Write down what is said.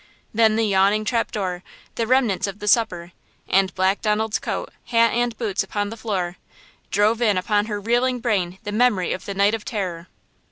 Then the yawning trapdoor, the remnants of the supper, and Black Donald's coat, hat and boots upon the floor, drove in upon her reeling brain the memory of the night of terror!